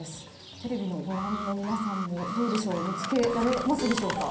テレビをご覧の皆さんもどうでしょう見つけられますでしょうか。